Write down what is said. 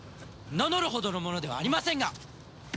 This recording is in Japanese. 名乗るほどの者ではありませんが。